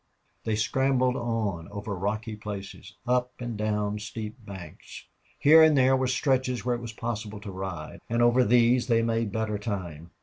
They scrambled on over rocky places, up and down steep banks. Here and there were stretches where it was possible to ride, and over these they made better time.